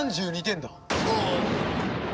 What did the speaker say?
３２点だ！